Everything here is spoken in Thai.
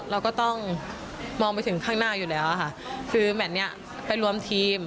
เราก็ต้องมองไปถึงข้างหน้าอยู่แล้วค่ะคือแมทนี้ไปรวมทีม